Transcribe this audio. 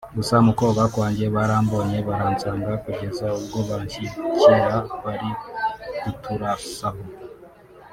gusa mu koga kwanjye barambonye baransanga kugeza ubwo banshyikira bari kuturasaho